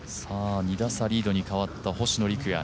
２打差リードに変わった星野陸也。